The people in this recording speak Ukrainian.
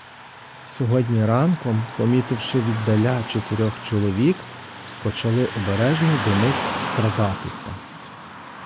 Сьогодні ранком, помітивши віддаля чотирьох чоловік, почали обережно до них скрадатися.